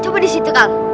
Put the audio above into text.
coba di situ kak